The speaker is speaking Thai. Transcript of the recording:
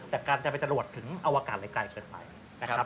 แต่การจะไปจรวดถึงอวกาศเลยไกลเกินไปนะครับ